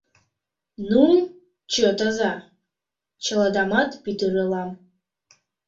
Ну, чытыза, чыладамат пӱтыралам.